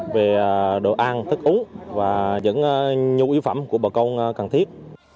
về đồ ăn thức uống và những nhu yếu phẩm của bà con cần thiết